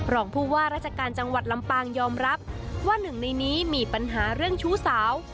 รองผู้ว่าราชการจังหวัดลำปางยอมรับว่าหนึ่งในนี้มีปัญหาเรื่องชู้สาว